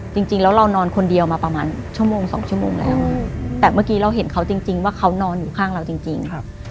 จริงแล้วเรานอนคนเดียวมาประมาณชั่วโมงสองชั่วโมงแล้วแต่เมื่อกี้เราเห็นเขาจริงว่าเขานอนอยู่ข้างเราจริง